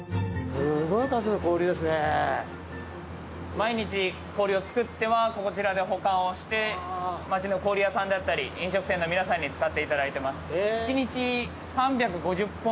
毎日、氷を作ってはここで保管して街の氷屋さんだったり飲食店の皆さんに使っていだいています。